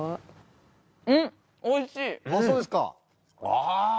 ああ！